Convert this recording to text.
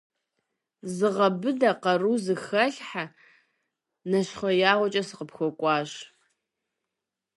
Зыгъэбыдэ, къару зыхэлъхьэ, нэщхъеягъуэкӏэ сыкъыпхуэкӏуащ.